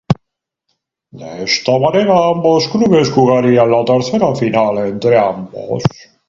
De esta manera ambos clubes jugarían la tercera final entre ambos.